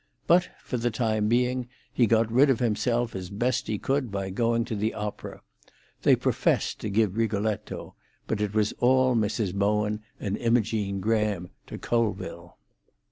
But, for the time being, he got rid of himself as he best could by going to the opera. They professed to give Rigoletto, but it was all Mrs. Bowen and Imogene Graham to Colville.